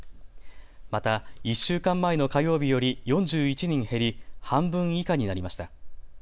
また、１週間前の火曜日より４１人減り半分以下になりました。